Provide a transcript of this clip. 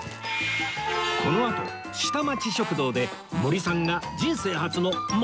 このあと下町食堂で森さんが人生初のもつ煮込み